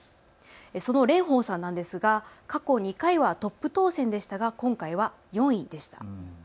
その蓮舫さんなんですが過去２回はトップ当選でしたが今回は４位でした。